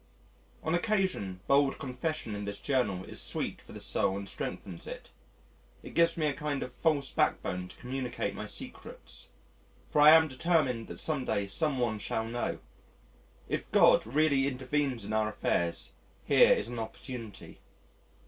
On occasion bald confession in this Journal is sweet for the soul and strengthens it. It gives me a kind of false backbone to communicate my secrets: for I am determined that some day some one shall know. If God really intervenes in our affairs, here is an opportunity.